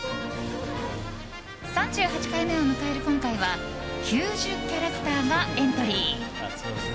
３８回目を迎える今回は９０キャラクターがエントリー。